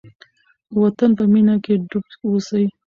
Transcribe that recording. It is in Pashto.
د وطن په مینه کې ډوب اوسئ.